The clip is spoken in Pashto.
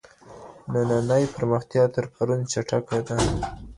نننۍ پرمختيا تر پرون چټکه ده.